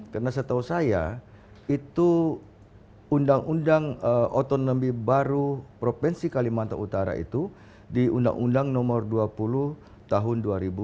karena setahu saya itu undang undang otonomi baru provinsi kalimantan utara itu di undang undang nomor dua puluh tahun dua ribu dua belas